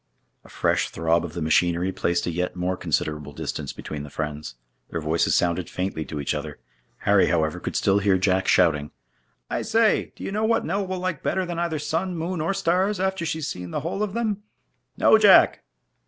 A fresh throb of the machinery placed a yet more considerable distance between the friends. Their voices sounded faintly to each other. Harry, however, could still hear Jack shouting: "I say! do you know what Nell will like better than either sun, moon, or stars, after she's seen the whole of them?" "No, Jack!"